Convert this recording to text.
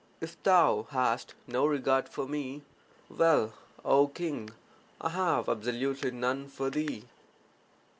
If thou hast no regard for me, well, O king, I have absolutely none for thee.